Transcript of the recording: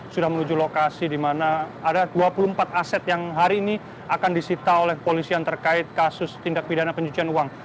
sudah menuju lokasi di mana ada dua puluh empat aset yang hari ini akan disita oleh kepolisian terkait kasus tindak pidana pencucian uang